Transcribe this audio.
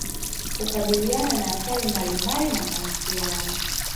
Kukabiliana na hatari mbalimbali na mahusiano